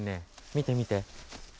見て見て。